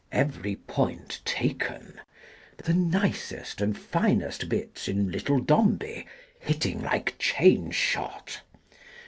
Every point taken. The nicest and finest bits in " Little Dombey," hitting like chain shot.